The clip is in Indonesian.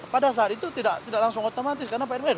pada saat itu tidak langsung otomatis karena pak rw